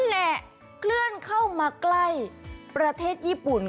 และเคลื่อนเข้ามาใกล้ประเทศญี่ปุ่น